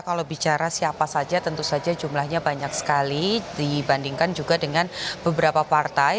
kalau bicara siapa saja tentu saja jumlahnya banyak sekali dibandingkan juga dengan beberapa partai